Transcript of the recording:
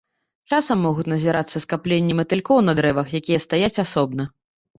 Часам могуць назірацца скапленні матылькоў на дрэвах, якія стаяць асобна.